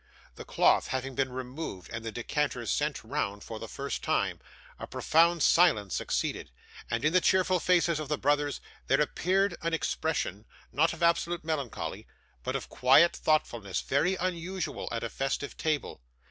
The cloth having been removed and the decanters sent round for the first time, a profound silence succeeded, and in the cheerful faces of the brothers there appeared an expression, not of absolute melancholy, but of quiet thoughtfulness very unusual at a festive table.